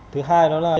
thứ hai đó là